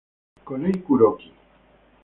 Kohei Kuroki